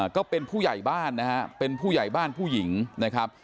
ก็เป็นผู้ใหญ่บ้านนะฮะเป็นผู้ใหญ่บ้านผู้หญิงนะครับ